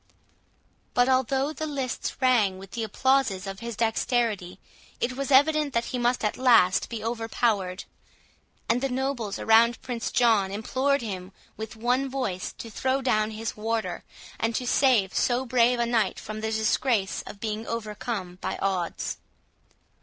But although the lists rang with the applauses of his dexterity, it was evident that he must at last be overpowered; and the nobles around Prince John implored him with one voice to throw down his warder, and to save so brave a knight from the disgrace of being overcome by odds.